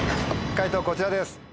解答こちらです。